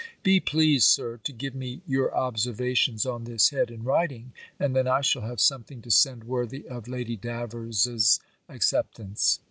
"Be pleased, Sir, to give me your observations on this head in writing, and then I shall have something to send worthy of Lady Davers's acceptance."